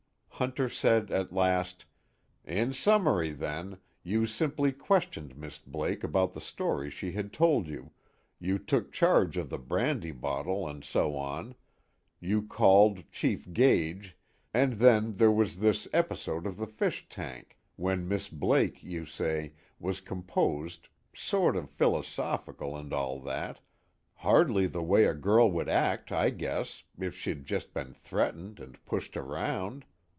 Hunter said at last: "In summary, then, you simply questioned Miss Blake about the story she had told you, you took charge of the brandy bottle and so on, you called Chief Gage, and then there was this episode of the fish tank when Miss Blake, you say, was composed, sort of philosophical and all that, hardly the way a girl would act, I guess, if she'd just been threatened and pushed around.